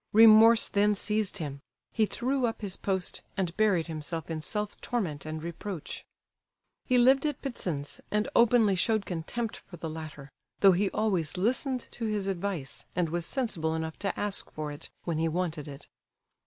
Remorse then seized him; he threw up his post, and buried himself in self torment and reproach. He lived at Ptitsin's, and openly showed contempt for the latter, though he always listened to his advice, and was sensible enough to ask for it when he wanted it.